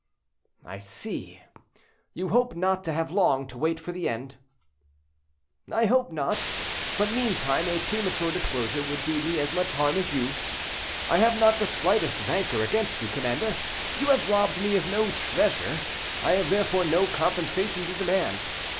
"I see, you hope not to have long to wait for the end." "I hope not; but meantime a premature disclosure would do me as much harm as you. I have not the slightest rancour against you, commander; you have robbed me of no treasure; I have therefore no compensation to demand.